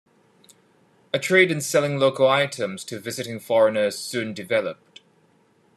A trade in selling local items to visiting foreigners soon developed.